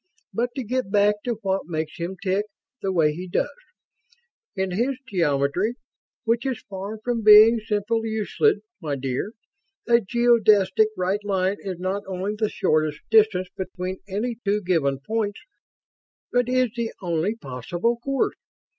But to get back to what makes him tick the way he does. In his geometry which is far from being simple Euclid, my dear a geodesic right line is not only the shortest distance between any two given points, but is the only possible course.